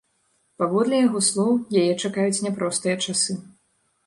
Паводле яго слоў, яе чакаюць няпростыя часы.